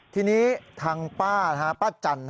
ทีนี้ทางป้าป้าจัน